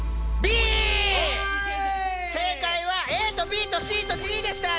正解はＡとＢとＣとＤでした！